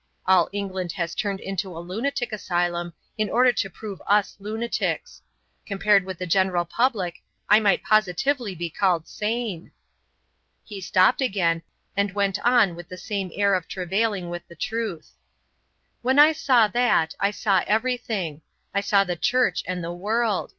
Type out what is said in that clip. All England has turned into a lunatic asylum in order to prove us lunatics. Compared with the general public, I might positively be called sane." He stopped again, and went on with the same air of travailing with the truth: "When I saw that, I saw everything; I saw the Church and the world.